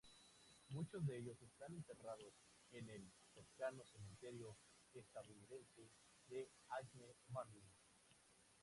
Muchos de ellos están enterrados en el cercano Cementerio Estadounidense de Aisne-Marne.